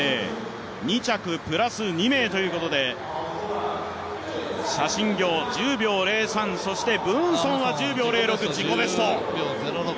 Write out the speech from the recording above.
２着プラス２名ということで、謝震業１０秒０３、ブーンソンは１０秒０６、自己ベスト。